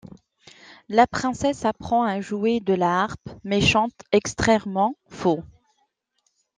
La princesse apprend à jouer de la harpe mais chante extrêmement faux.